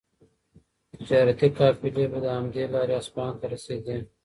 تجارتي قافلې به له همدې لارې اصفهان ته رسېدې.